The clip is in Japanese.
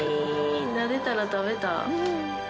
なでたら食べた。